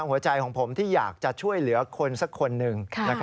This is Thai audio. หัวใจของผมที่อยากจะช่วยเหลือคนสักคนหนึ่ง